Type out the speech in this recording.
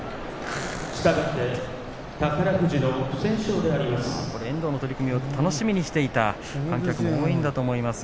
したがって宝富士が遠藤の取組を楽しみにしていた観客も多いと思います。